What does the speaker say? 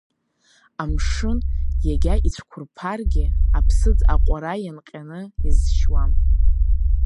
Амшын, иагьа ицәқәырԥаргьы, аԥсыӡ аҟәара ианҟьаны иазшьуам…